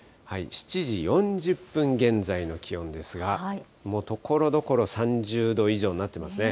７時４０分現在の気温ですが、もうところどころ、３０度以上になってますね。